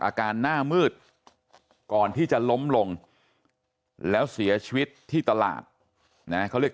อาการหน้ามืดก่อนที่จะล้มลงแล้วเสียชีวิตที่ตลาดนะเขาเรียก